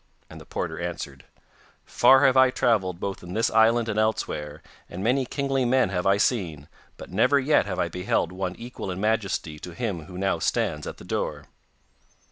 and the porter answered: 'Far have I travelled, both in this island and elsewhere, and many kingly men have I seen; but never yet have I beheld one equal in majesty to him who now stands at the door.